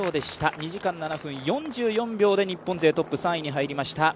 ２時間７分４４秒で日本勢トップ３位に入りました。